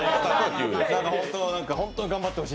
本当に頑張ってほしい。